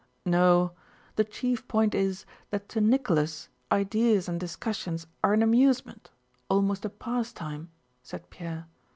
"No, the chief point is that to Nicholas ideas and discussions are an amusement—almost a pastime," said Pierre.